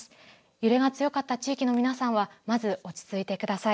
揺れが強かった地域の皆さんはまず落ち着いてください。